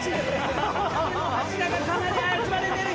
壁の柱がかなり怪しまれてる！